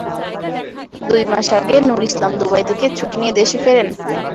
দুই মাস আগে নূর ইসলাম দুবাই থেকে ছুটি নিয়ে দেশে ফেরেন।